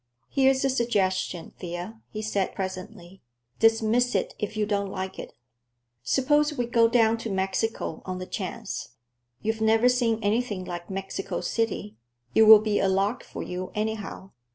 "Here's a suggestion, Thea," he said presently. "Dismiss it if you don't like it: suppose we go down to Mexico on the chance. You've never seen anything like Mexico City; it will be a lark for you, anyhow.